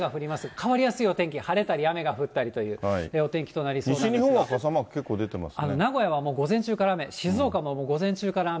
変わりやすいお天気、晴れたり雨が降ったりというお天気とな西日本は傘マーク結構出てま名古屋は午前中から雨、静岡も午前中から雨。